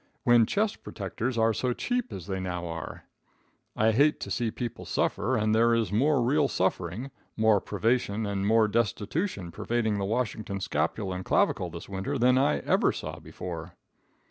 When chest protectors are so cheap as they now are. I hate to see people suffer, and there is more real suffering, more privation and more destitution, pervading the Washington scapula and clavicle this winter than I ever saw before.